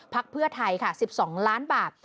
เพื่อไทยค่ะ๑๒ล้านบาท